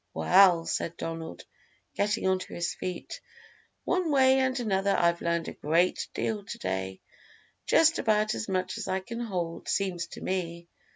"Well," said Donald, getting onto his feet, "one way and another I've learned a great deal to day just about as much as I can hold, seems to me."